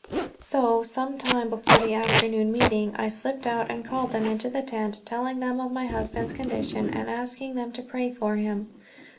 So, some time before the afternoon meeting I slipped out and called them into the tent, telling them of my husband's condition and asking them to pray for him.